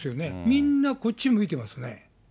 みんなこっち向いてますよね。